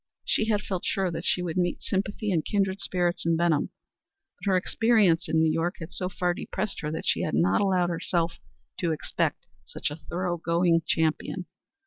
She had felt sure that she would meet sympathy and kindred spirits in Benham, but her experience in New York had so far depressed her that she had not allowed herself to expect such a thorough going champion.